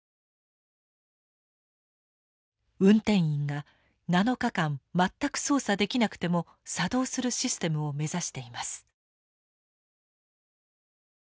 運転員が７日間全く操作できなくても作動するシステムを目指しています。